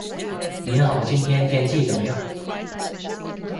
I don't know and I can't wait to find out